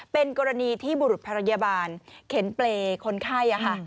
เป็นกรณีที่บุรุษพยาบาลเข็นเปรย์คนไข้